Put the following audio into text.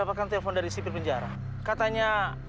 ayah di mana ya